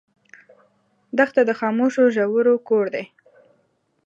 دښته د خاموشو ژورو کور دی.